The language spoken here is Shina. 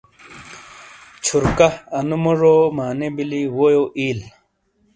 چھورکا ، انو مجو معنی بیلی، وےیو اییل ۔